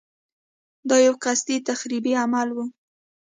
دا یو قصدي تخریبي عمل و.